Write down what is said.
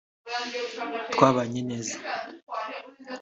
twabanye neza